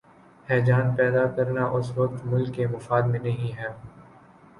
ہیجان پیدا کرنا اس وقت ملک کے مفاد میں نہیں ہے۔